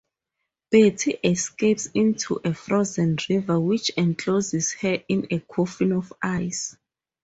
Betty escapes into a frozen river, which encloses her in a coffin of ice.